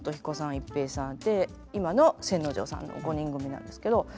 逸平さんで今の千之丞さんの５人組なんですけど。